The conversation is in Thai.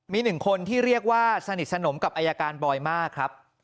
มีหนึ่งคนที่เรียกว่าสนิทสนมกับอายการบอยมากครับ